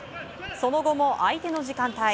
その後も相手の時間帯。